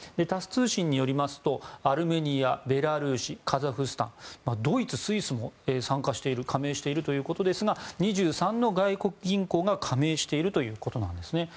タス通信によりますとアルメニアベラルーシ、カザフスタンドイツ、スイスも加盟しているということですが２３の外国銀行が加盟しているということです。